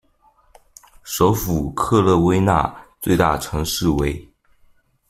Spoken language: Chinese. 首府克勒威纳，最大城市为